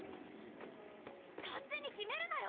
勝手に決めるなよ！